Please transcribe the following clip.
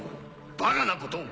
バカなことを！